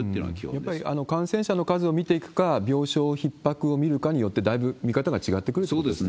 やっぱり感染者の数を見ていくか、病床のひっ迫を見るかによって、だいぶ見方が違ってくるということですね？